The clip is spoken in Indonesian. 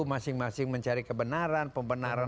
masing masing mencari kebenaran pembenaran